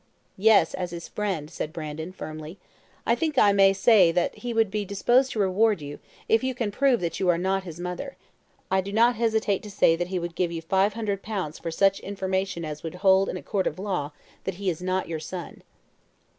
"Yes; as his friend," said Brandon, firmly, "I think I may say that he would be disposed to reward you, if you can prove that you are not his mother. I do not hesitate to say that he would give you five hundred pounds for such information as would hold in a court of law that he is not your son."